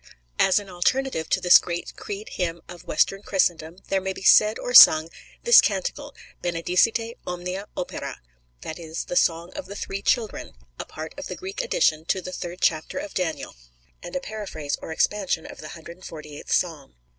As an alternative to this great Creed hymn of Western Christendom there may be said or sung "this canticle, Benedicite, omnia opera," that is, the Song of the Three Children, a part of the Greek addition to the third chapter of Daniel, and a paraphrase or expansion of the 148th Psalm.